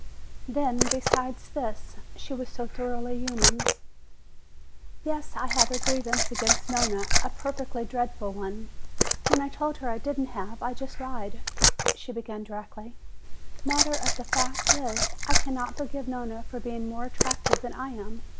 Then beside this, she was so thoroughly human. "Yes, I have a grievance against Nona, a perfectly dreadful one. When I told her I didn't have, I just lied," she began directly. "Fact of the matter is, I can't forgive Nona for being more attractive than I am.